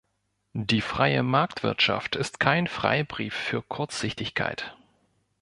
Die freie Marktwirtschaft ist kein Freibrief für Kurzsichtigkeit.